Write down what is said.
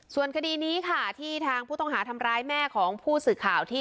ส่วนคดีนี้ค่ะที่ทางผู้ต้องหาทำร้ายแม่ของผู้สื่อข่าวที่